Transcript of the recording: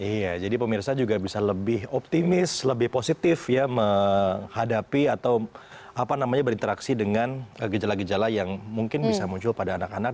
iya jadi pemirsa juga bisa lebih optimis lebih positif ya menghadapi atau berinteraksi dengan gejala gejala yang mungkin bisa muncul pada anak anak